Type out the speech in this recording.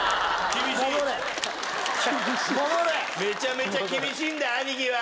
めちゃめちゃ厳しいんだ兄貴は。